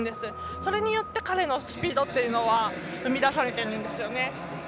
それによって彼のスピードは生み出されているんですよね。